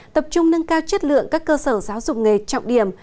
tập trung nâng cao chất lượng các cơ sở giáo dục nghề trọng điểm